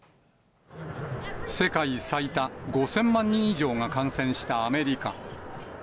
世界最多５０００万人以上が感染したアメリカ。